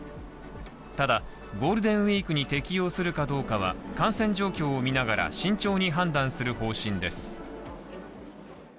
ただ、ゴールデンウイークに適用するかどうかは感染状況を見ながら慎重に判断する方針です。